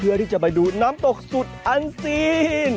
เพื่อที่จะไปดูน้ำตกสุดอันซีน